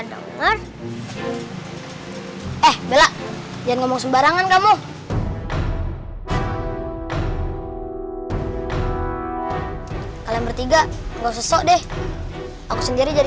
denger eh bella jangan ngomong sembarangan kamu kalian bertiga engkau sesok deh aku sendiri jadi